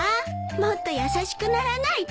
もっと優しくならないと。